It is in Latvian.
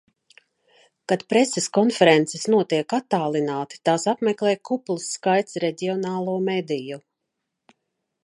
Kad preses konferences notiek attālināti, tās apmeklē kupls skaits reģionālo mediju.